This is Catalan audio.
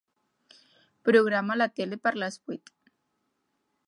Programa la tele per a les vuit.